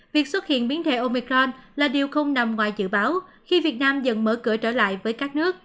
việc xuất hiện biến thể omicron là điều không nằm ngoài dự báo khi việt nam dần mở cửa trở lại với các nước